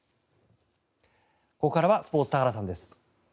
ここからはスポーツ田原さんです。